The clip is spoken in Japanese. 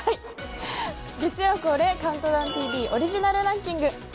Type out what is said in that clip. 月曜恒例「ＣＤＴＶ」オリジナルランキング